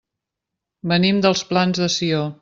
Venim dels Plans de Sió.